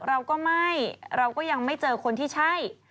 เราก็ไม่เราก็ยังไม่เจอคนที่ใช่